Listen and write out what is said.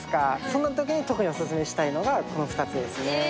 そんなときに特にオススメしたいのが、この２つですね。